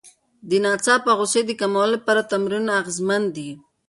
د ناڅاپه غوسې د کمولو لپاره تمرینونه اغېزمن دي.